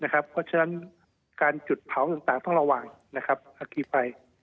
ก็เชิญการจุดเผาต่างต้องระวังนะครับอักกี้ไป